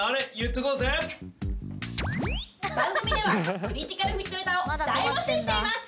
番組ではクリティカルフィットネタを大募集しています！